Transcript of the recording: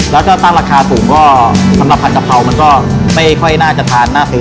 แล้วก็ตั้งราคาสูงก็สำหรับผัดกะเพรามันก็ไม่ค่อยน่าจะทานน่าซื้อ